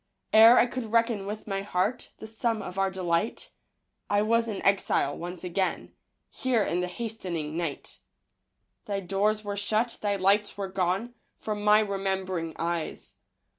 Ere I could reckon with my heart The sum of our delight, I was an exile once again Here in the hasting night. Thy doors were shut; thy lights were gone From my remembering eyes.